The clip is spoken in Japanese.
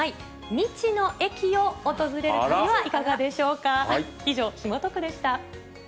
未知の駅を訪れる旅はいかがでしょうか。